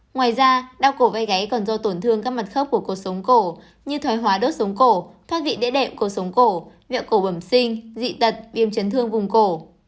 ngoài ra đau cổ vây gáy còn do tổn thương các mặt khớp của cuộc sống cổ như thoái hóa đốt sống cổ thoát vị đễ đệm cuộc sống cổ viện cổ bẩm sinh dị tật viêm chấn thương vùng cổ